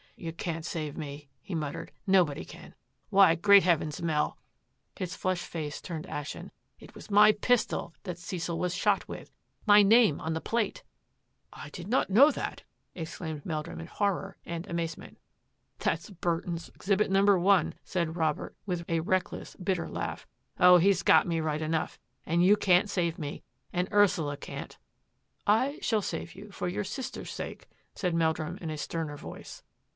" You can't save me," he muttered, " nobody can. Why, great Heavens, Mel," his flushed face turning ashen, " it was my pistol that Cecil was shot with — my name on the plate." " I did not know that !" exclaimed Meldrum in horror and amazement. " That's Burton's exhibit No. 1," said Robert, with a reckless, bitter laugh. " Oh, he's got me right enough, and you can't save me — and Ursula can't." " I shall save you for your sister's sake," said Meldrum in sterner voice.